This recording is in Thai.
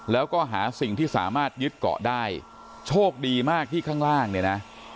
แล้วก็หาสิ่งที่สามารถยึดเกาะได้โชคดีมากที่ข้างล่างเนี่ยนะ